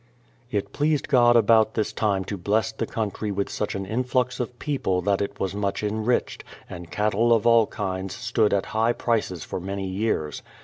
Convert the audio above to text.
It pleased God about this time to bless the country with such an influx of people that it was much enriched, and cattle of all kinds stood at high prices for many years.